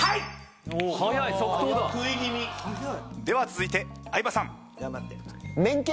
では続いて相葉さん。